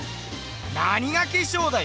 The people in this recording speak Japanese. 何が化粧だよ！